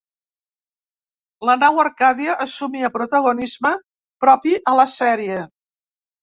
La nau Arcàdia assumia protagonisme propi a la sèrie.